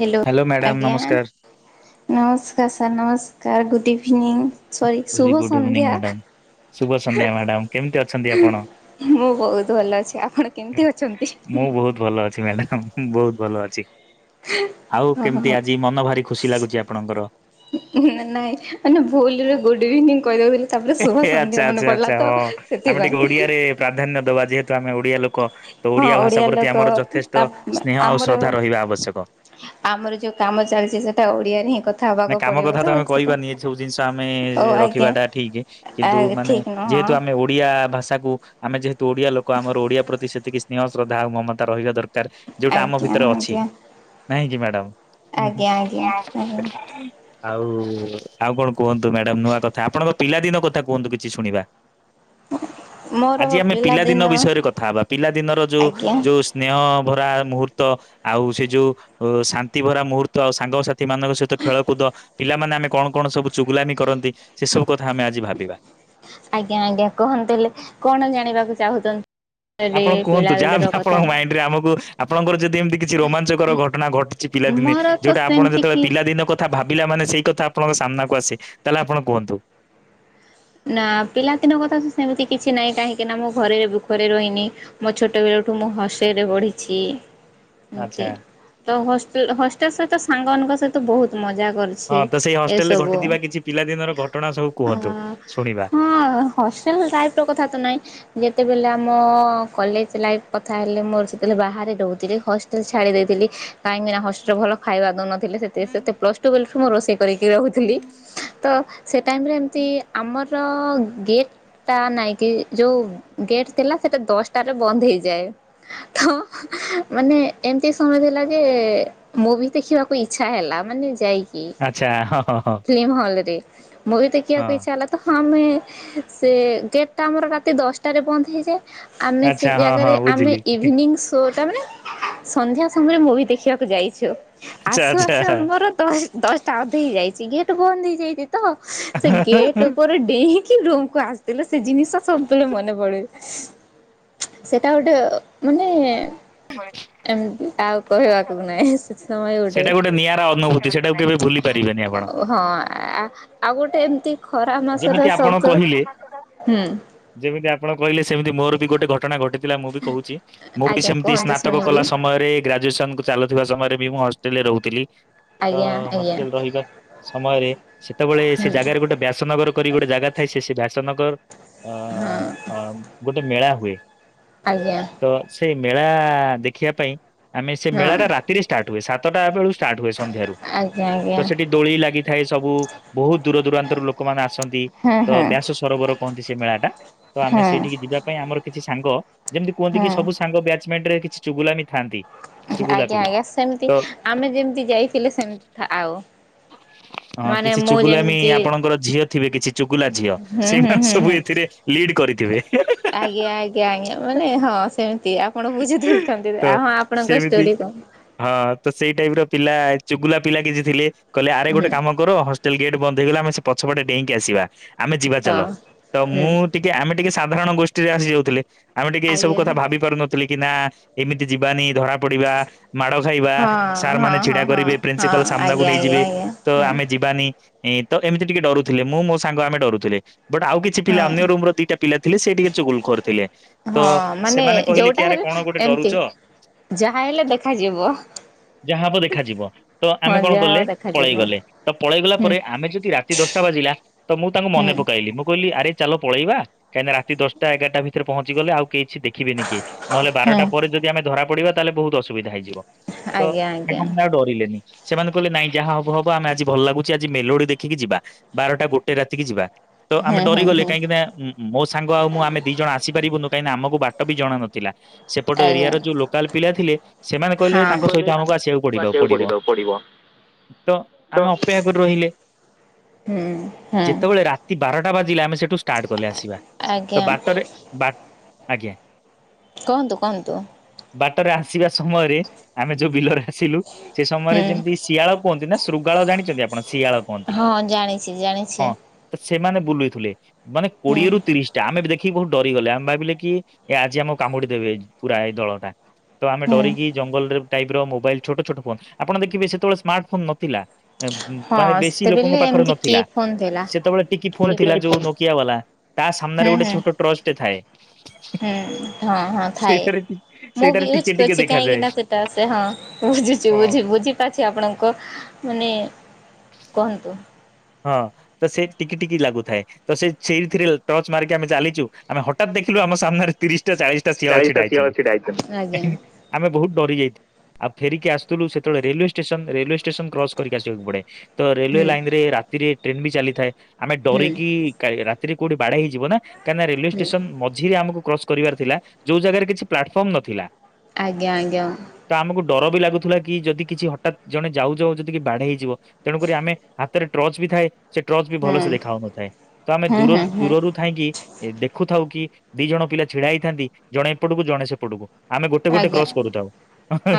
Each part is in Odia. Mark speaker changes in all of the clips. Speaker 1: ହେଲୋ
Speaker 2: ହ୍ୟାଲୋ ମ୍ୟାଡ଼ାମ
Speaker 1: ଆଜ୍ଞା
Speaker 2: ନମସ୍କାର
Speaker 1: ନମସ୍କାର ସାର୍ ନମସ୍କାର ଗୁଡ୍ ଇଭିନିଂ, ସରି
Speaker 2: ଭେରି
Speaker 1: ଶୁଭ
Speaker 2: ଗୁଡ ଇଭିନିଂ
Speaker 1: ସନ୍ଧ୍ୟା,
Speaker 2: ମ୍ୟାଡ଼ାମ। ଶୁଭ ସନ୍ଧ୍ୟା ମ୍ୟାଡାମ୍ କେମିତି ଅଛନ୍ତି ଆପଣ?
Speaker 1: ମୁଁ ବହୁତ୍ ଭଲ ଅଛି ଆପଣ କେମିତି ଅଛନ୍ତି?
Speaker 2: ମୁଁ ବହୁତ୍ ଭଲ ଅଛି ମ୍ୟାଡ଼ାମ୍ ବହୁତ୍ ଭଲ ଅଛି। ଆଉ
Speaker 1: ହଁ ହଁ
Speaker 2: କେମତି ଆଜି ମନ ଭାରି ଖୁସି ଲାଗୁଛି ଆପଣଙ୍କର?
Speaker 1: ହୁଁ ନା ନାଇଁ ମାନେ ଭୁଲରେ ଗୁଡ୍ ଇଭିନିଂ କହିଦେ ବୋଲି,
Speaker 2: ଏହେ ଆଚ୍ଛା-ଆଚ୍ଛା-ଆଚ୍ଛା ହଁ ଆମେ
Speaker 1: ସେଥିପାଇଁ
Speaker 2: ଟିକେ ଓଡ଼ିଆ ରେ ପ୍ରାଧାନ୍ୟ ଦବା ଯେହେତୁ ଆମେ ଓଡିଆ ଲୋକ, ତ
Speaker 1: ହଁ
Speaker 2: ଓଡ଼ିଆ
Speaker 1: ଓଡିଆ
Speaker 2: ଭାଷା ପ୍ରତି
Speaker 1: ଲୋକ
Speaker 2: ଆମର
Speaker 1: ତା
Speaker 2: ଯଥେଷ୍ଟ ସ୍ନେହ ଆଉ
Speaker 1: ଆମର
Speaker 2: ଶ୍ରଦ୍ଧା ରହିବା ଆବଶ୍ୟକ,
Speaker 1: ଆମର ଯୋଉ କାମ ଚାଲିଛି ସେଟା ଓଡିଆରେ ହିଁ କଥା
Speaker 2: ନା
Speaker 1: ହେବାକୁ
Speaker 2: କାମ
Speaker 1: ପଡ଼ିବ
Speaker 2: କଥା
Speaker 1: ତ
Speaker 2: ଆମେ
Speaker 1: ସେଟା,
Speaker 2: କହିବାନି ଏ ସବୁ ଜିନିଷ ଆମେ
Speaker 1: ଓ ଆଜ୍ଞା
Speaker 2: ରଖିବାଟା ଠିକ୍
Speaker 1: ଆ
Speaker 2: କିନ୍ତୁ ମାନେ
Speaker 1: ଠିକ ନୁହଁ
Speaker 2: ଯେହେତୁ ଆମେ, ଓଡ଼ିଆ ଭାଷାକୁ ଆମେ ଯେହେତୁ ଓଡ଼ିଆ ଲୋକ ଆମର ଓଡ଼ିଆ ପ୍ରତି ସେତିକି ସ୍ନେହ ଶ୍ରଦ୍ଧା ଆଉ ମମତା ରହିବା ଦର କାର୍ ଯୋଉଟା ଆମ
Speaker 1: ଆଜ୍ଞା
Speaker 2: ଭିତରେ ଅଛି,
Speaker 1: ଆଜ୍ଞା।
Speaker 2: ନାଇଁ କି ମ୍ୟାଡ଼ାମର ହୁଁ
Speaker 1: ଆଜ୍ଞା ଆଜ୍ଞା ଆଜ୍ଞା
Speaker 2: ଆଜ୍ଞା-ଆଜ୍ଞା, ଆଉ-ଆଉ କଣ କୁହନ୍ତୁ ମ୍ୟାଡାମ୍ ନୂଆ କଥା ଆପଣଙ୍କ ପିଲାଦିନ କଥା କୁହନ୍ତୁ କିଛି ଶୁଣିବା? ଆଜି ଆମେ ପିଲାଦିନ ବିଷୟରେ କଥା ହବା ପିଲାଦିନର
Speaker 1: ଆଜ୍ଞା
Speaker 2: ଯୋଉ-ଯୋଉ ସ୍ ସ୍ନେହ ଭରା ମୁହୂର୍ତ୍ତ ଆଉ ସେ ଯୋଉ ଉଁ ଶାନ୍ତି ଭରା ମୁହୂର୍ତ୍ତ ଆଉ ସାଙ୍ଗସଥି, ସାଥି ମାନଙ୍କ ସହିତ ଖେଳକୁଦ ପିଲାମାନେ ଆମେ କଣ-କଣ ସବୁ ଚୁଗୁଲାମି କରନ୍ତି ସେସବୁ କଥା ଆମେ ଆଜି ଭାବ୍ ବା,
Speaker 1: ଆଜ୍ଞା-ଆଜ୍ଞା କହନ୍ତୁ ହେଲେ କଣ ଜାଣିବାକୁ ଚାହୁଁଛନ୍ତି? ରେ
Speaker 2: ଆପଣ କୁହନ୍ତୁ ଯାହାବି
Speaker 1: ପିଲାବେଳର କଥା
Speaker 2: ଆପଣଙ୍କ ମାଇଣ୍ଡ ରେ ଆମକୁ ଆପଣଙ୍କର ଯଦି ଏମିତି କିଛି ରୋମାଞ୍ଚକର ଘଟଣା ଘଟିଛି ପିଲାଦିନେ,
Speaker 1: ମୋର ତ
Speaker 2: ଯୋଉଟା ଆପଣ
Speaker 1: ସେମିତି
Speaker 2: ଯେତେବେଳେ
Speaker 1: କି
Speaker 2: ପିଲାଦିନ କଥା ଭାବିଲା ମାନେ ସେଇ କଥା ଆପଣଙ୍କ ସାମ୍ନାକୁ ଆସେ ତାହେଲେ ଆପଣ କୁହନ୍ତୁ,
Speaker 1: ନା ପିଲାଦିନଙ୍କ କଥା ତ ସେମିତି କିଛି ନାହିଁ କାହିଁକି ନା ମୁଁ ଘରେ ଭୁଃଖରେ ରହିନି, ମୋ ଛୋଟବେଳଠୁ ମୁଁ ହସେଇରେ ବଢ଼ିଛି, ହୁଁ ଏ
Speaker 2: ଆଚ୍ଛା
Speaker 1: ତ ହଷ୍ଟେଲ-ହ‌ଷ୍ଟେଲ ସହିତ ସାଙ୍ଗମାନାନଙ୍କ ସହିତ ବହୁତ୍ ମଜା କର୍
Speaker 2: ହଁ ତ ସେଇ ହଷ୍ଟେଲ ରେ ଘଟିଥିବା କିଛି ପିଲାଦିନର ଘଟଣା ସବୁ କୁହନ୍ତୁ ଶୁଣିବା?
Speaker 1: ହଁ ହଷ୍ଟେଲ ଲାଇ ର କଥା ତ ନହିଁ ଯେତେବେଳେ ଆମ କଲେଜ ଲାଇଫ କଥା ହେଲେ ମୋର ସେତେବେଳେ ବାହାରେ ରହୁଥିଲେ ଛାଡ଼ି ଦେଇଥିଲି କାହିଁକି ନା ହଷ୍ଟେଲ ଭଲ ଖାଇବା ଦଉ ନଥିଲେ ସେ ପ୍ଲସ୍ ଟୁ ମୁଁ ରୋଷେଇ କରିକି ରହୁଥିଲି ତ ସେ ଟାଇମରେ ଏମିତି ଆମର ଗେଟ୍ ଟା ନାଇଁ କି ଯୋଉ ଗେଟ୍ ଥିଲା ସେଟା ଦଶଟାରେ ବନ୍ଦ ହେଇଯାଏ ତ ମାନେ ଏମିତି ସମୟ ଦେଲା ଯେ ମୁଁଭି ଦେଖିବାକୁ ଇଛା ହେଲା ମାନେ ଯାଇକି
Speaker 2: ଆଚ୍ଛା ହଁ ହଁ ହଁ
Speaker 1: ଫିଲ୍ମ ହଲ ରେ ମୁଁ ବି
Speaker 2: ହଁ
Speaker 1: ଦେଖିବାକୁ ଇଚ୍ଛା ହେଲା ତ ଆମେ ସେ ଗେଟ୍ଟା ଆମର ରାତି ଦଶଟାରେ ବନ୍ଦ ହେଇଯାଏ ଆମେ ସେ
Speaker 2: ଆଚ୍ଛା ହଁ ହଁ
Speaker 1: ଜାଗାରେ ଆମେ
Speaker 2: ବୁଝିଲି
Speaker 1: ଇଭିନିଂ ତୋଟା ମାନେ ସନ୍ଧ୍ୟା ସମୟରେ ମୁଁଭି ଦେଖିବାକୁ ଯାଇଛୁ
Speaker 2: ଆଚ୍ଛା
Speaker 1: ଆସୁ
Speaker 2: ଆଚ୍ଛା।
Speaker 1: ଆସୁ ମମର ଦଶ ଦଶଟା ଅଧେ ହେଇଯାଇଛି ଗେଟ ବନ୍ଦ ହେଇଯାଇଛି ତ ସେ ଗେଟ୍ ଉପରେ ଡେଇଁକି ରୁମକୁୁ ଆସିଥିଲେ ସେ ଜିନିଷ ସବୁବେଳେ ମନେ ପଡୁ ସେଟା ଗୋଟେ ମାନେ
Speaker 2: ହସ୍
Speaker 1: ଏମତି ଆଉ କହିବାକୁ ନାହିଁ ସେଥି ସମୟ ଗୋଟେ
Speaker 2: ସେଟା ନିଆରା ଅନୁଭୂତି ସେଟାକୁ କେବେ ଭୁଲି ପାରିବେନି ଆପଣ
Speaker 1: ହଁ ଆଉ ଗୋଟେ ଏମିତି ଖରା ମାସରେ
Speaker 2: ଯେମିତି ଆପଣ
Speaker 1: ସବଦ
Speaker 2: କହିଲେ
Speaker 1: ହୁଁ
Speaker 2: ଯେମିତି ଆପଣ କହିଲେ ସେମିତି ମୋର ବି ଗୋଟେ ଘଟଣା ଘଟି ଥିଲା ମୁଁ ବି କହୁଛି ମୁଁ ବି
Speaker 1: ଆଜ୍ଞା
Speaker 2: ସେମିତି
Speaker 1: କୁହନ୍ତୁ
Speaker 2: ସ୍ନାତକ
Speaker 1: ଶୁଣିବି
Speaker 2: କଲା ସମୟରେ ଗ୍ରାଜୁଏସନକୁ ଚାଲୁଥିବା ସମୟରେ ବି ମୁଁ ହଷ୍ଟେଲରେ ରହୁଥିଲି ତ
Speaker 1: ଆଜ୍ଞା ଆଜ୍ଞା
Speaker 2: ହଷ୍ଟେଲ ରହିବା ସମୟରେ ସେତେବେଳେ ସେ ଜାଗାରେ ଗୋଟେ ବ୍ୟାସନଗର କରି ଗୋଟେ ଜାଗା ଥାଏ ସେ ସେଇ ବ୍ୟାସନଗର ଅ ଗୋଟେ ମେଳା ହୁଏ
Speaker 1: ଆଜ୍ଞା।
Speaker 2: ତ ସେଇ ମେଳା ଦେଖିବା ପାଇଁ ଆମେ ସେ
Speaker 1: ହଁ
Speaker 2: ମେଳାଟା ରାତିରେ ଷ୍ଟାର୍ଟ ସାତଟା ବେଳୁ ଷ୍ଟାର୍ଟ ହୁଏ ସନ୍ଧ୍ୟାରୁ
Speaker 1: ଆଜ୍ଞା
Speaker 2: ତ
Speaker 1: ଆଜ୍ଞା
Speaker 2: ସେଠି ଦୋଳି ଲାଗିଥାଏ ସବୁ ବହୁତ ଦୂର ଦୂରାନ୍ତରୁ ଲୋକମାନେ ଆସନ୍ତି
Speaker 1: ହୁଁ
Speaker 2: ତ
Speaker 1: ହୁଁ
Speaker 2: ବ୍ୟାସ ସରୋବର କହନ୍ତି ସେ ମେଳା ଟା ତ ଆମେ
Speaker 1: ହୁଁ
Speaker 2: ସେଇଠିକି ଯିବା ପାଇଁ ଆମର କିଛି ସାଙ୍ଗ ଯେମିତି କୁହନ୍ତି କି ସବୁ
Speaker 1: ହୁଁ
Speaker 2: ସାଙ୍ଗ ବ୍ୟାଚମେଣ୍ଟ ରେ କିଛି ଚୁଗୁଲାମି ଥାନ୍ତି। ଚୁଗୁଲା
Speaker 1: ଆଜ୍ଞା
Speaker 2: ପିଲା
Speaker 1: ଆଜ୍ଞା ସେମିତି
Speaker 2: ତ
Speaker 1: ଆମେ ଯେମିତି ଯାଇଥିଲେ ସେମତି ଆଉ।
Speaker 2: ହଁ
Speaker 1: ମାନେ
Speaker 2: କିଛି
Speaker 1: ମୁଁ
Speaker 2: ଚୁଗୁଲାମି
Speaker 1: ଯେମିତି
Speaker 2: ଆପଣଙ୍କର ଝିଅ ଥିବେ କିଛି ଚୁଗୁଲା ଝିଅ
Speaker 1: ହୁଁ ହୁଁ
Speaker 2: ସେଇମାନେ
Speaker 1: ହୁଁ
Speaker 2: ସବୁ
Speaker 1: ହୁଁ
Speaker 2: ଏଥିରେ ଲିଡ କରିଥିବେ।
Speaker 1: ଆଜ୍ଞା ଆଜ୍ଞା ଆଜ୍ଞା ମାନେ ହଁ ସେମତି ଆପଣ ବୁଝେଇଦଉଛନ୍ତି
Speaker 2: ତ
Speaker 1: ହଁ ଆପଣଙ୍କ
Speaker 2: ସେମିତି
Speaker 1: ଷ୍ଟୋରି କଣ
Speaker 2: ହଁ ତ ସେଇ ଟାଇପର ପିଲା ଚୁଗୁଲା ପିଲା କିଛି ଥିଲେ କହିଲେ ଆରେ ଗୋଟେ
Speaker 1: ହୁଁ
Speaker 2: କାମ ହଷ୍ଟେଲ ଗେଟ ବନ୍ଦ ହେଇଗଲା ଆମେ ସେ ପଛପଟେ ଡେଇଁକି ଆସିବା ଆମେ ଯିବା
Speaker 1: ହଁ
Speaker 2: ଚାଲ ତ
Speaker 1: ହୁଁ
Speaker 2: ମୁଁ ଟିକେ ଆମେ ଟିକେ ସାଧାରଣ ଗୋଷ୍ଠୀରେ ଆସି ଯାଉଥିଲେ ଆମେ ଟିକେ
Speaker 1: ଆଜ୍ଞା
Speaker 2: ଏଇସବୁକଥା ଭାବି ପାରୁନଥିଲେ କି ନା ଏମିତି ଯିବାନି ଧରା ପଡିବା ମାଡ ଖାଇବା
Speaker 1: ହଁ
Speaker 2: ସାର୍
Speaker 1: ହଁ
Speaker 2: ମାନେ
Speaker 1: ହଁ
Speaker 2: ଛିଡା
Speaker 1: ହଁ
Speaker 2: କରିବେ
Speaker 1: ହଁ
Speaker 2: ପ୍ରିନ୍ସିପାଲ ସାମ୍ନାକୁ
Speaker 1: ଆଜ୍ଞା ଆଜ୍ଞା
Speaker 2: ନେଇଯିବେ
Speaker 1: ଆଜ୍ଞା
Speaker 2: ତ
Speaker 1: ହଁ
Speaker 2: ଆମେ ଯିବାନି ଏଇଁ ତ ଏମିତି ଟିକେ ଡରୁଥିଲେ ମୁଁ ମୋ ସାଙ୍ଗ ଆମେ ଡରୁଥିଲେ ବଟ୍ ଆଉ କିଛି କିଛି ପିଲା
Speaker 1: ହଁ
Speaker 2: ଅନ୍ୟ ରୁମ ର ଦିଟା ପିଲା ଥିଲେ ସେଟିକେ ଚୁଗୁଲଖୋର ଥିଲେ ତ
Speaker 1: ହଁ ମାନେ
Speaker 2: ସେମାନେ କହିଲେ କି
Speaker 1: ଯୋଉଟା
Speaker 2: ଆରେ
Speaker 1: ହେଲେ
Speaker 2: କଣ ଗୋଟେ
Speaker 1: ଏମିତି
Speaker 2: ଡରୁଛ
Speaker 1: ଯାହା ହେଲେ ଦେଖାଯିବ।
Speaker 2: ଯାହା ହବ ଦେଖାଯିବ ତ ଆମେ
Speaker 1: ହଁ
Speaker 2: କଣ
Speaker 1: ଯାହା ହବ
Speaker 2: କଲେ
Speaker 1: ଦେଖାଯିବ
Speaker 2: ପଳେଇଗଲେ ତ ପଳେଇଗଲା
Speaker 1: ହୁଁ
Speaker 2: ପରେ ଆମେ ଯଦି ରାତି ଦଶଟା ବାଜିଲା ତ ମୁଁ ତାଙ୍କୁ
Speaker 1: ହୁଁ
Speaker 2: ମନେ ପକାଇଲି ମୁଁ କହିଲି ଆରେ ଚାଲ ପଳେଇବା କାହିଁକି ନା ରାତି ଦଶଟା ଏଗାରଟା ଭିତରେ ପହଞ୍ଚି ଗଲେ ଆଉ କେହି କିଛି ଦେଖିବେନି କେହି ନହେଲେ
Speaker 1: ହୁଁ
Speaker 2: ବାରଟା ପରେ ଯଦି ଆମେ ଧରା ପଡିବା ତାହେଲେ ବହୁତ ଅସୁବିଧା ହେଇଯିବ ତ
Speaker 1: ଆଜ୍ଞା ଆଜ୍ଞା
Speaker 2: [unintelligible] ଆଉ ଡରିଲେନି। ସେମାନେ କହିଲେ ନାଇଁ ଯାହା ହବ ହବ ଆମେ ଆଜି ଭଲ ଲାଗୁଛି ଆଜି ମେଲୋଡି ଦେଖିକି ଯିବା। ବାରଟା ଗୋଟେ ରାତିକି ଯିବା। ତ ଆମେ
Speaker 1: ହୁଁ ହୁଁ
Speaker 2: ଡରିଗଲେ
Speaker 1: ହୁଁ
Speaker 2: କାହିଁକି ନାଁ ଉମ ଉମ ମୋ ସାଙ୍ଗ ଆଉ ମୁଁ ଆମେ ଦି ଜଣ ଆସିପାରିବୁନୁ କାହିଁକି ଆମକୁ ବାଟ ବି ଜଣାନ ଥିଲା। ସେପଟ
Speaker 1: ଆଜ୍ଞା
Speaker 2: ଏରିଆ
Speaker 1: ହଁ।
Speaker 2: ର ଯୋଉ ଲୋକାଲ ପିଲା ଥିଲେ ସେମାନେ କହିଲେ ତାଙ୍କ
Speaker 1: ତାଙ୍କୁ
Speaker 2: ସହିତ ଆମକୁ ଆସିବାକୁ ପଡିଦ ପଡିବ। ତ ଆମେ ଅପେକ୍ଷା କରି ରହିଲେ।
Speaker 1: ହୁଁ ହଁ
Speaker 2: ତି ବାରଟା ବାଜିଲା ଆମେ ସେଠୁ ଷ୍ଟାର୍ଟ କଲେ ଆସିବା
Speaker 1: ଆଜ୍ଞା
Speaker 2: ତ ବାଟରେ ବା ଆଜ୍ଞା।
Speaker 1: କୁହନ୍ତୁ କୁହନ୍ତୁ
Speaker 2: ବାଟରେ ଆସିବା ସମୟରେ ଆମେ ଯୋଉ ବିଲରେ ଆସିଲୁ ସେ ସମୟରେ
Speaker 1: ହୁଁ
Speaker 2: ଯେମତି ଶିଆଳ କୁହନ୍ତି ନା ଶୃଗାଳ ଜାଣିଛନ୍ତି ଆପଣ ଶିଆଳ। କୁହନ୍ତି।
Speaker 1: ହଁ ଜାଣିଛି
Speaker 2: ହଁ
Speaker 1: ଜାଣିଛି।
Speaker 2: ତ ସେମାନେ ବୁଲୁଥିଲେ ମାନେ
Speaker 1: ହୁଁ
Speaker 2: କୋଡିଏରୁ ତିରିଶ ଟା ଆମେ ଦେଖିକି ବହୁତ ଡରିଗଲେ ଆମେ ଭାବିଲେ କି ଏ ଆଜି ଆମ କାମୁଡି ଦେବେ ପୁରା ଏଇ ଦଳଟା। ତ ଆମେ
Speaker 1: ହୁଁ
Speaker 2: ଡରିକି ଜଙ୍ଗଲରେ ଟାଇପ ର ମୋବାଇଲ ଛୋଟ ଛୋଟ ଫୋନ ଆପଣ ଦେଖିବେ ସେତେବେଳେ ସ୍ମାର୍ଟ ଫୋନ ନଥିଲା। ମାନେ
Speaker 1: ହଁ
Speaker 2: ବେଶୀ ଲୋକଙ୍କ
Speaker 1: ସେତେବେଳେ
Speaker 2: ପାଖରେ
Speaker 1: ଏମିତି କି
Speaker 2: ନଥିଲା
Speaker 1: ଫୋନ୍ ଥିଲା।
Speaker 2: ସେତେବେଳେ ଟିକି ଫୋନ ଥିଲା
Speaker 1: କିପ୍ୟାଡ୍
Speaker 2: ଯୋଉ
Speaker 1: ଫୋନ୍
Speaker 2: ନୋ କିଆ ବାଲା ତା
Speaker 1: ହୁଁ
Speaker 2: ସାମ୍ନାରେ ଗୋଟେ
Speaker 1: ହୁଁ
Speaker 2: ଛୋଟ ଟର୍ଚ୍ଚ ଟେ ଥାଏ।
Speaker 1: [inaudible] ହଁ ହଁ ଥାଏ
Speaker 2: ସେଇଟାରେ ଟି
Speaker 1: ମୁଁ
Speaker 2: ସେଇଟାରେ
Speaker 1: ବି ୟୁଜ୍
Speaker 2: ଟିକେ ଟିକେ
Speaker 1: କରିଛି କାହିଁକି
Speaker 2: ଦେଖାଯାଏ
Speaker 1: ନା ସେଟା ସେ ହଁ ବୁଝୁଛି
Speaker 2: ହଁ।
Speaker 1: ବୁଝି ବୁଝି [unintelligible] ଆପଣଙ୍କୁ ମାନେ କୁହନ୍ତୁ।
Speaker 2: ହଁ ତ ସେ ଟିକି ଟିକି ଲାଗୁଥାଏ। ତ ସେ ସେଇଥିରେ ଟର୍ଚ୍ଚ ମାରିକି ଆମେ ଚାଲିଛୁ ଆମେ ହଠାତ୍ ଦେଖିଲୁ ଆମ ସାମ୍ନାରେ ତିରିଶଟା ଚାଳିଶ ଟା ଶିଆଳ ଛିଡା ହେଇଛନ୍ତି [inaudible] ଆମେ ବହୁତ ଡରି ଯାଇ ଆଉ ଫେରିକି ଆସୁଥୁଲୁ ସେତେବେଳେ railway station railway station cross କରିକି ଆସିବାକୁ ପଡେ ତ ରେଲୱେ
Speaker 1: ହୁଁ
Speaker 2: ଲାଇନରେ ରାତିରେ ଟ୍ରେନ ବି ଚାଲିଥାଏ ଆମେ
Speaker 1: ହୁଁ
Speaker 2: ଡରିକି [inaudible] ରାତିରେ କୋଉଠି ବାଡେଇ ହେଇଯିବ ନା କାରନା ରେଲୱେ
Speaker 1: ହୁଁ
Speaker 2: ଷ୍ଟେସନ ମଝିରେ ଆମକୁ୍ କ୍ରସ କରିବାର ଥିଲା ଯୋଉ ଜାଗାରେ କିଛି ପ୍ଲାଟଫର୍ମ ନଥିଲା।
Speaker 1: ଆଜ୍ଞା ଆଜ୍ଞା
Speaker 2: ତ ଆମକୁ ଡର ବି ଲାଗୁଥିଲା କି ଯଦି କିଛି ହଠାତ୍ ଜଣେ ଯାଉ ଯାଉ ଯଦି କି ବାଡେ ହେଇଯିବ। ତେଣୁକରି ଆମେ ହାତରେ ଟର୍ଚ ବି ଥାଏ। ସେ ଟର୍ଚ ବି ଭଲସେ
Speaker 1: ହୁଁ।
Speaker 2: ଦେଖା ହାଉନଥାଏ ତ ଆମେ
Speaker 1: ହୁଁ
Speaker 2: ଦୂର
Speaker 1: ହୁଁ ହୁଁ
Speaker 2: ଦୂରରୁ ଥାଇଁକି ଏ ଦେଖୁଥାଉ କି ଦି ଜଣ ପିଲା ଛିଡା ହେଇଥାନ୍ତି ଜଣେ ଏପଟକୁ ଜଣେ ସେପଟକୁ। ଆମେ ଗୋଟେ ଗୋଟେ
Speaker 1: ଆଜ୍ଞା
Speaker 2: କ୍ରସ୍ କରୁଥାଉ।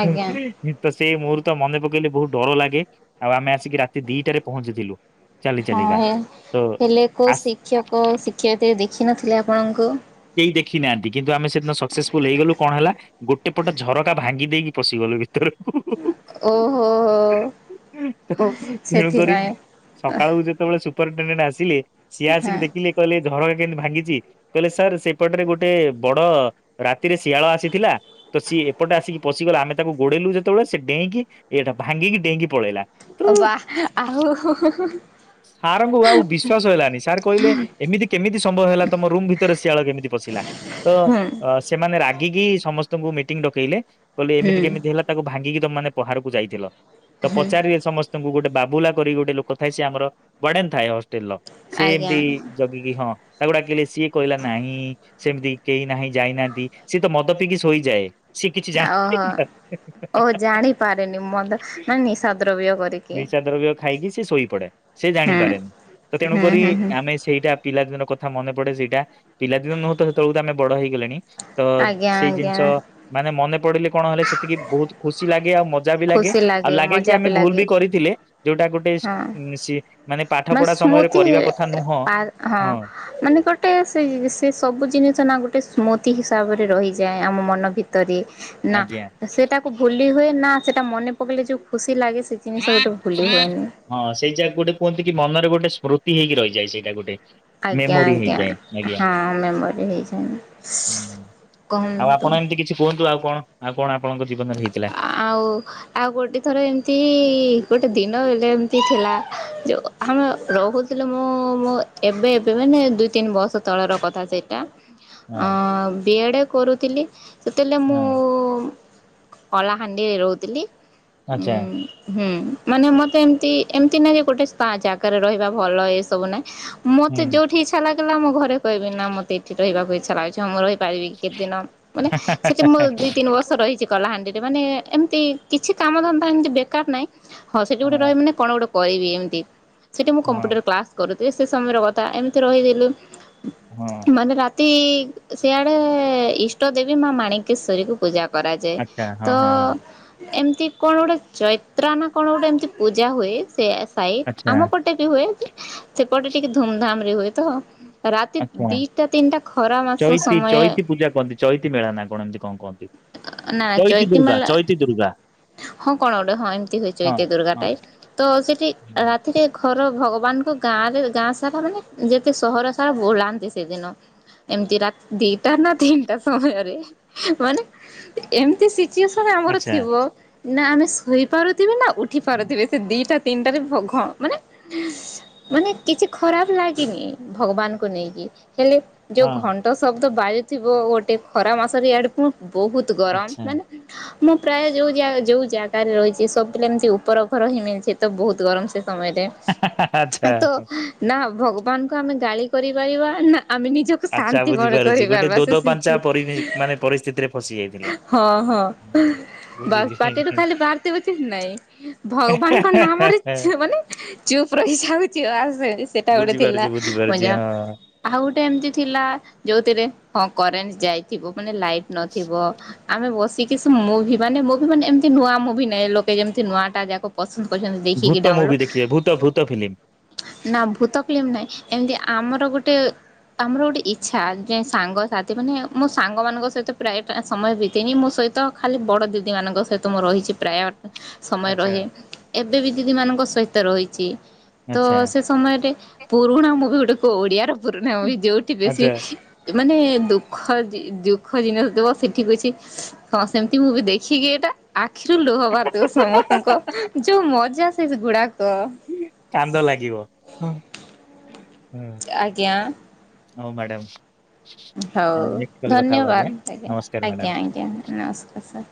Speaker 1: ଆଜ୍ଞା
Speaker 2: ହୁଁ ତ ସେ ମୁହୂର୍ତ୍ତ ମନେ ପକେଇଲେ ବହୁତ ଡର ଲାଗେ ଆଉ ଆମେ ଆସିକି ରାତି ଦିଟାରେ ପହଞ୍ଚିଥିଲୁ। ଚାଲି ଚାଲିକା
Speaker 1: ହଁ
Speaker 2: ତ
Speaker 1: [inaudible] ହେଲେ କୋଉ
Speaker 2: ଆସ
Speaker 1: ଶିକ୍ଷକ ଶିକ୍ଷୟିତ୍ରୀ ଦେଖିନଥିଲେ ଆପଣଙ୍କୁ।
Speaker 2: କେହି ଦେଖିନାହାନ୍ତି କିନ୍ତୁ ଆମେ ସେଦିନ ସକ୍ସେସଫୁଲ ହେଇଗଲୁ କଣ ହେଲା ଗୋଟେ ପଟ ଝରକା ଭାଙ୍ଗି ଦେଇକି ପିଶି ଗଲୁ ଭି ତରକୁ [inaudible]
Speaker 1: ଓହୋ ହୋ
Speaker 2: ତ ତେଣୁକରି ସକାଳୁ ଯେ ତେବେଳେ ସୁପରଟେଣ୍ଡେଣ୍ଟ ଆସିଲେ ସିଏ
Speaker 1: ହଁ।
Speaker 2: ଆସିକି ଦେଖିଲେ କହିଲେ ଝରକା କେମିତି ଭାଙ୍ଗିଛି କହିଲେ ସାର୍ ସେପଟରେ ଗୋଟେ ବଡ ରାତିରେ ଶିଆଳ ଆସିଥିଲା ତ ସିଏ ଏପଟେ ଆସିକି ପଶିଗଲା ଆମେ ତାକୁ ଗୋଡେଇଲୁ ଯେତେବେଳେ ସେ ଡେଇଁକି ଏଇଟା ଭାଙ୍ଗିକି ଡେଇଁକି ପଳେଇଲା। ତ
Speaker 1: ବା ଆଉ [unintelligible]
Speaker 2: ସାରଙ୍କୁ ଆଉ ବିଶ୍ୱାସ ହେଲାନି ସାର୍ କହିଲେ ଏମିତି କେମିତି ସମ୍ଭବ ହେଲା ତମ ରୁମ୍ ଭିତରେ ଶିଆଳ କେମିତି ପଶିଲା ତ
Speaker 1: ହୁଁ
Speaker 2: ଅ ସେମାନେ ରାଗିକି ସମସ୍ତଙ୍କୁ ମିଟିଂ ଡକେଇଲେ କହିଲେ ଏମିତି କେମିତି ହେଲା। ତାକୁ ଭାଙ୍ଗିକି ତମ ମାନେ ବାହାରକୁ ଯାଇଥିଲ ତ ପଚାରିବେ ସମସ ଙ୍କୁ ଗୋଟେ ବାବୁଲା କରି ଗୋଟେ ଲୋକ ଥାଏ ସେ ଆମର ବଡେନ ଥାଏ ହଷ୍ଟେଲ ର। ସେ
Speaker 1: ଆଜ୍ଞା।
Speaker 2: ଏମତି ଜଗିକି ହଁ ତାକୁ ଡାକିଲେ ସିଏ କହିଲା ନାହିଁ ସେମିତି କେହି ନାହିଁ ଯାଇନାହାନ୍ତି ସିଏ ତ ମଦ ପିିଇକି ଶୋଇଯାଏ। ସିଏ କିଛି ଜାଣ
Speaker 1: ଓହୋ ଓହ ଜାଣିପାରେନି ମଦ ମାନେ ନିଶା ଦ୍ରବ୍ୟ କରିକି।
Speaker 2: ନିସା ଦ୍ରବ୍ୟ ଖାଇକି ସେ ଶୋଇ ପଡେ ସେ
Speaker 1: ହୁଁ
Speaker 2: ଜାଣିପାରେନି ତ ତେଣୁ
Speaker 1: ହୁଁ
Speaker 2: କରିରି
Speaker 1: ହୁଁ ହୁଁ
Speaker 2: ଆମେ ସେଇଟା ପିଲାଦିନର କଥା ମନେ ପଡେ ସେଇଟା ପିଲାଦିନ ନୁହେଁ ତ ସେତେବେଳୁ ତ ଆମେ ବଡ ହେଇଗଲେଣି। ତ
Speaker 1: ଆଜ୍ଞା
Speaker 2: ସେଇ
Speaker 1: ଆଜ୍ଞା
Speaker 2: ଜିନିଷ ମାନେ ମନେ ପଡିଲେ କଣ ହେଲେ ସେତିକି ବହୁତ ଖୁସି ଲାଗେ ଆଉ ମ ମଜା ବି ଲାଗେ
Speaker 1: ଖୁସି
Speaker 2: ଆଉ ଲାଗେ କି
Speaker 1: ମଜା
Speaker 2: ଆମେ ଭୁଲ
Speaker 1: ଲାଗେ
Speaker 2: ବି କରିଥିଲେ ଯୋଉଟା ଗୋଟେ ସି ମାନେ ପାଠ
Speaker 1: ମ
Speaker 2: ପଢା ସମୟରେ
Speaker 1: ସ୍ମୁତି
Speaker 2: କରିବା କଥା ନୁହଁ
Speaker 1: ମା ହଁ ମାନେ ଗୋଟେ ସେ ସେ ସବୁ ଜିନିଷ ନା ଗୋଟେ ସ୍ମୃତି ହିସାବରେ ରହିଯାଏ ଆମ ମନ ଭିତରେ। ନା
Speaker 2: ଆଜ୍ଞା।
Speaker 1: ସେଟାକୁ ଭୁଲି ହୁଏ ନା ସେଟା ମନେ ପକେଇଲେ ଯୋଉ ଖୁସି ଲାଗେ ସେ ଜିନିଷ ଗୋଟେ ଭୁଲି ହୁଏନି।
Speaker 2: ହଁ ସେଇ ଯା ଗୋଟେ କୁହନ୍ତି କି ମନରେ ଗୋଟେ ସ୍ମୃତି ହେଇକି ରହିଯାଏ ସେଇଟା ଗୋଟେ।
Speaker 1: ଆଜ୍ଞା
Speaker 2: ମେମୋରି
Speaker 1: ଆଜ୍ଞା
Speaker 2: ହେଇଯାଏ ଆଜ୍ଞା।
Speaker 1: ହଁ ମେମୋରି ହେଇଯାଇ
Speaker 2: ହୁଁ। ଆଉ ଆପଣ ଏମିତି କିଛି କୁହନ୍ତୁ ଆଉ କଣ ଆଉ କଣ ଆପଣଙ୍କ ଜୀବନରେ ହେଇଥିଲା?
Speaker 1: ଆଉ ଆଉ ଗୋଟେ ଥର ଏମିତି ଗୋଟେ ଦିନ ହେଲେ ଏମିତି ଥିଲା ଯୋଉ ଆମେ ରହୁଥିଲେ ମୁଁ ମୋ ଏବେ ଏବେ ମାନେ ଦୁଇ ତିନି ବର୍ଷ ତଳର କଥା ସେଇଟା।
Speaker 2: ହଁ
Speaker 1: ଅଁ ବି ଏଡ଼ କରୁଥିଲି ସେତେଲେ ମୁଁ
Speaker 2: ହଁ
Speaker 1: କଲାହାଣ୍ଡିରେ ରହୁଥିଲି ଉଁ।
Speaker 2: ଆଚ୍ଛା
Speaker 1: ହୁଁ ମାନେ ମତେ ଏମତି ଏମିତି ନାଇଁ ଯେ ଗୋଟେ ଜାଗାରେ ରହିବା ଭଲ ଏ ସବୁ ନାଇଁ।
Speaker 2: ହୁଁ
Speaker 1: ମତେ ଯୋଉଠି ଇଚ୍ଛା ଲାଗିଲା ମୁଁ ଘରେ କହିବି ନା ମତେ ଏଠି ରହିବାକୁ ଇଛା ଲାଗୁଛି ମୁଁ ରହି ପାରିବି କେତେ ଦିନ ମାନେ ସେଠି ମୁଁ ଦୁଇ ତିନି ବର୍ଷ ରହିଛି। କଲାହାଣ୍ଡିରେ ମାନେ ଏମିତି କିଛି କାମ ଧନ୍ତା ଏମିତି ବେକାର ନାହିଁ ହଁ ସେଠି ଗୋଟେ ରହିବ ମାନେ କଣ ଗୋଟେ କରିବି ଏମତି ସେଠି ମୁଁ
Speaker 2: ହଁ
Speaker 1: କମ୍ପ୍ୟୁଟର କ୍ଲାସ କରୁଥିଲି ସେ ସମୟର କଥା ଏମିତି ରହିଥିଲୁ।
Speaker 2: ହଁ
Speaker 1: ମାନେ ରା ତି ସିଆଡେ ଇଷ୍ଟ ଦେବୀ ମା ମାଣିକେଶ୍ଵରୀ କୁ ପୂଜା କରାଯାଏ।
Speaker 2: ଆଚ୍ଛା ହଁ
Speaker 1: ତ
Speaker 2: ହଁ ହଁ
Speaker 1: ଏମତି କଣ ଗୋଟେ ଚୈତ୍ର ନା କଣ ଗୋଟେ ଏମିତି ପୂଜା ହୁଏ ସେ ସାଇ
Speaker 2: ଆଚ୍ଛା
Speaker 1: ଆମ ପଟେ ବି ହୁଏ ସେପଟେ ଟିକେ ଧୂମଧାମ ରେ ହୁଏ ତ ରାତି
Speaker 2: ଆଚ୍ଛା
Speaker 1: ଦିଟା ତିନିଟା ଖରା ମାସ
Speaker 2: ଚୈତି
Speaker 1: ସମୟ ଆ
Speaker 2: ଚୈତି ପୂଜା କହନ୍ତି ଚୈତି ମେଳା
Speaker 1: ନା ଚ
Speaker 2: ଇତି ଦୁର୍ଗା ଚଇତି ଦୁର୍ଗା।
Speaker 1: ହଁ କଣ ଗୋଟେ ହଁ ଏମିତି ହୋଇ
Speaker 2: ହଁ
Speaker 1: ଚଇତି ଦୁର୍ଗା
Speaker 2: ହଁ
Speaker 1: ଟାଏ, ତ ସେଠି
Speaker 2: ହୁଁ,
Speaker 1: ରାତିରେ ଘର ଭଗବାନଙ୍କ ଗାଁ ରେ ଗାଁ ସାରା ମାନେ ଯେତେ ସହର ସାରା ବୁଲାନ୍ତି ସେଦିନ। ଏମିତି ରା ଦୀପ ଟା ନା ତିନିଟା ସମୟରେ ମାନେ ଏମିତି ସିଚୁଏସନ ଆମର
Speaker 2: ଆଚ୍ଛା
Speaker 1: ଥିବ ନା ଆମେ ଶୋଇପାରୁଥିବେ ନା ଉଠି
Speaker 2: ହୁଁ,
Speaker 1: ପାରୁଥିବେ ସେ ଦିଟା ତିନିଟାରେରେ ଭଗ ମାନେ ମାନେ କିଛି ଖରାପ ଲାଗିନି ଭଗବାନଙ୍କୁ ନେଇକି ହେଲେ ଯୋଉ
Speaker 2: ହଁ
Speaker 1: ଘଣ୍ଟ ଶବ୍ଦ ବାଜୁଥିବ ଗୋଟେ ଖରା ମାସ ରେ ଇଆଡେ ପୁଣି ବହୁତ ଗରମ
Speaker 2: ଆଚ୍ଛା
Speaker 1: ମାନେ ମୁଁ ପ୍ରାୟ ଯୋଉା ଯାଗ ଯୋଉ ଜାଗାରେ ରହିଛି ସବୁଲେ ଏମିତି ଉପର ଘର ହିଁ ମିଳଛି ତ ବହୁତ ଗରମ ସେ ସମୟରେ
Speaker 2: ଆଚ୍ଛା
Speaker 1: ତ ନା ଭଗବାନଙ୍କୁ ଆମେ ଗାଳି କରିପାରିବା ନା ଆମେ ନିଜ
Speaker 2: ଆଚ୍ଛା
Speaker 1: ଶାନ୍ତି ମନେ
Speaker 2: ବୁଝିପାରୁଛି ଗୋଟେ
Speaker 1: କରିପାରବା
Speaker 2: ଦୋଦ ପାଞ୍ଚା ପରି ମାନେ ପରିସ୍ଥିତିରେ ଫସି ଯାଇଥିଲେ।
Speaker 1: [unintelligible] ହଁ ହଁ।
Speaker 2: ହୁଁ,
Speaker 1: ବାସ
Speaker 2: ବୁଝିଲି
Speaker 1: ପାଟିରୁୁ ଖାଲି ବାହାର ଥିବକି ନାଇଁ ଭଗବାନଙ୍କ ନାମରେ ମାନେ ଚୁପ୍ ରହିସଉ ଆ ସେଟା ଗୋଟେ
Speaker 2: ବୁଝିପାରୁଛି
Speaker 1: ଥିଲା
Speaker 2: ବୁଝିପାରୁଛି
Speaker 1: ମଜା
Speaker 2: ହଁ।
Speaker 1: ଆଉ ଗୋଟେ ଏମତି ଥିଲା ଯୋଉଥିରେ ହଁ କରେଣ୍ଟ ଯାଇଥିବ ମାନେ ଲାଇଟ ନଥିବ। ଆମେ ବସିକି ମୁଁ ମାନେ ମୁଁ ବି ମାନେ ଏମତି ନୂଆ ମୁଭି ନହିଁ ଲୋକେ ଯେମିତି ନୂଆ ଟା ଯାକ ପସନ୍ଦ କରଛନ୍ତି ଦେଖିକି
Speaker 2: ଭୂତ ମୁଭି
Speaker 1: ଡାଉନଲୋଡ଼
Speaker 2: ଦେଖିବେ ଭୂତ ଭୂତ ଫିଲ୍ମ।
Speaker 1: ନା ଭୂତକଲିମ ନହିଁ ଏମିତି ଆମର ଗୋଟେ ଆମର ଗୋଟେ ଇଚ୍ଛା ଯେ ସାଙ୍ଗସାଥି ମାନେ ମୋ ସାଙ୍ଗ ମାନଙ୍କ ସହିତ ପ୍ରାୟ ସମୟ ବିତେଇନି ମୋ ସହିତ ତ ଖାଲି ବଡ ଦିଦି ମାନଙ୍କ ସହିତ ମୁଁ ରହିଛି ପ୍ରାୟ ସମୟ
Speaker 2: ଆଚ୍ଛା।
Speaker 1: ରହେ। ଏବେ ବି ଦିଦିମାନଙ୍କ ସହିତ ରହିଛି ତ
Speaker 2: ଆଚ୍ଛା
Speaker 1: ସେ ସମୟରେ ପୁରୁଣା ମୁଭିି ଗୋଟେ କୋଉ ଓଡିଆ ର ପୁରୁଣା ମୁଭି ଯୋଉଠି ବେଶୀ
Speaker 2: ଆଚ୍ଛା
Speaker 1: ମାନେ ଦୁଃଖ ଦୁଃଖ ଜିନିଷ ଦେବ ସେଠିକି ଅଛି ହଁ ସେମିତି ମୁଁ ବି ଦେଖ ସିଏ ଏଇଟା ଆଖିରୁ ଲୁହବାହାରଥିବ ସମସ୍ତଙ୍କ ଯୋଉ ମଜା ସେ ଗୁଡାକ।
Speaker 2: କାନ୍ଦ ଲାଗିବ ହୁଁ।
Speaker 1: ଆଜ୍ଞା।
Speaker 2: ହଉ ମ୍ୟାଡ଼ାମ୍ ଯି
Speaker 1: ହଉ ଧନ୍ୟବାଦ ଆଜ୍ଞା
Speaker 2: ନମସ୍କାର ମ୍ୟାଡାମ।
Speaker 1: ଆଜ୍ଞା ଆଜ୍ଞା ନମସ୍କାର ସାର୍।